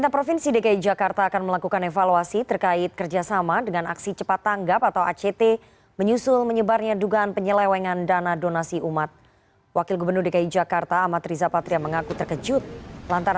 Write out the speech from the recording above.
pemprov dki jakarta